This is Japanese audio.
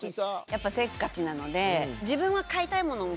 やっぱせっかちなので自分は。